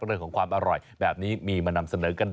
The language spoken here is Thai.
เรื่องของความอร่อยแบบนี้มีมานำเสนอกัน